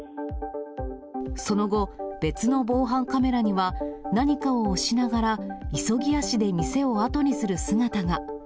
その後、別の防犯カメラには、何かを押しながら急ぎ足で店を後にする姿が。